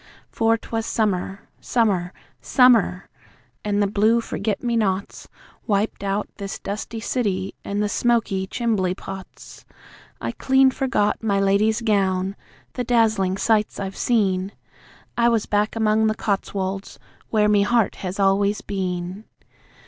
For 'twas Summer, Summer, SUMMER! An' the blue forget me nots Wiped out this dusty city and the smoky chimbley pots. I clean forgot My Lady's gown, the dazzlin' sights I've seen; I was back among the Cotswolds, where me heart has always been.